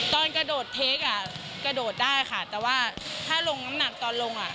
ตอนกระโดดเทคอ่ะกระโดดได้ค่ะแต่ว่าถ้าลงน้ำหนักตอนลงอ่ะ